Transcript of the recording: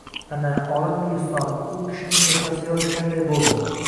— Ana. Olam guliston, — u kishining chehrasi yorishganday bo‘ldi…